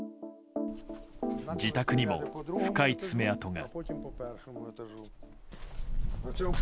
自宅にも深い爪痕が。